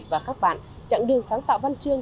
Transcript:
và các bạn chặng đường sáng tạo văn trương